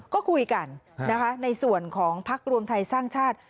ก็คุยกันนะคะในส่วนของพักรวมไทยสร้างชาติ